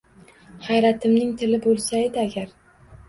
Hayratimning tili bo’lsaydi agar.